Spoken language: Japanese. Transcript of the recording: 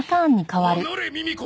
おのれミミ子！